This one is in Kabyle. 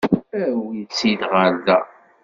Awit-tt-id ɣer da.